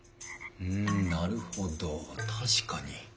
んなるほど確かに。